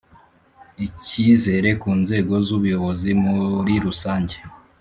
icyizere ku nzego z ubuyobozi muri rusange